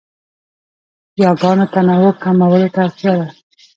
یاګانو تنوع کمولو ته اړتیا ده.